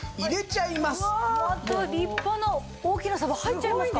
また立派な大きなサバ入っちゃいますか。